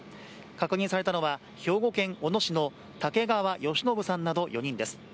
確認されたのは兵庫県小野市の竹川好信さんなど４人です。